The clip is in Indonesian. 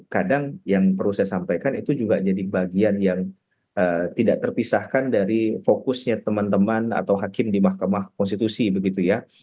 kadang yang perlu saya sampaikan itu juga jadi bagian yang tidak terpisahkan dari fokusnya teman teman atau hakim di mahkamah konstitusi begitu ya